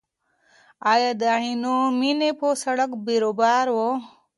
ایا د عینومېنې په سړک کې بیروبار و؟